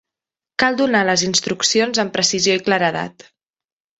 Cal donar les instruccions amb precisió i claredat.